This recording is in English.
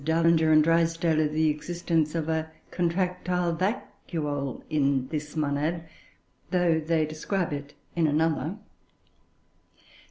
Dallinger and Drysdale of the existence of a contractile vacuole in this monad, though they describe it in another.